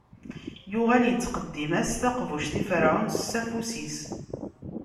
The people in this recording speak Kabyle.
Yuɣal ittqeddim-as taqbuct i Ferɛun s afus-is.